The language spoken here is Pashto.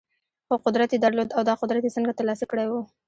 خو قدرت يې درلود او دا قدرت يې څنګه ترلاسه کړی و؟